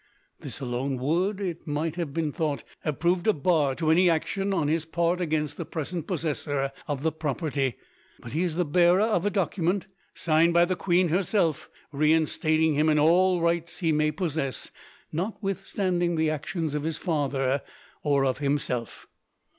This alone would, it might have been thought, have proved a bar to any action on his part against the present possessor of the property; but he is the bearer of a document, signed by the queen herself, reinstating him in all rights he may possess, notwithstanding the actions of his father or of himself.